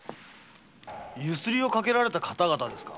強請をかけられた方々ですか？